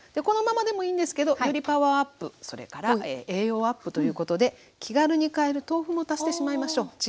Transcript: このままでもいいんですけどよりパワーアップそれから栄養アップということで気軽に買える豆腐も足してしまいましょう。